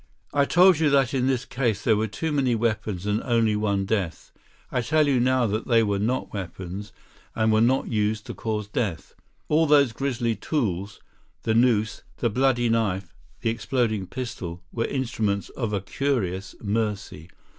"I told you that in this case there were too many weapons and only one death. I tell you now that they were not weapons, and were not used to cause death. All those grisly tools, the noose, the bloody knife, the exploding pistol, were instruments of a curious mercy.